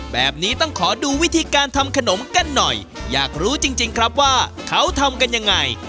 แบบนี้ต้องขอดูวิธีการทำขนมกันหน่อยอยากรู้จริงครับว่าเขาทำกันยังไง